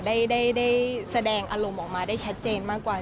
ได้แสดงอารมณ์ออกมาได้ชัดเจนมากกว่า